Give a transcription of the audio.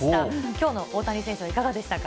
きょうの大谷選手はいかがでしたか。